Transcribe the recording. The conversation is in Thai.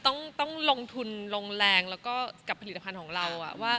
ต้องลงทุนลงแรงแล้วก็กับผลิตภัณฑ์ของเรา